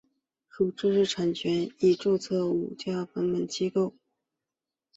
属知识产权署已注册的五家版权特许机构之一。